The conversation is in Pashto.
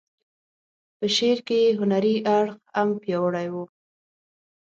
په شعر کې یې هنري اړخ هم پیاوړی و.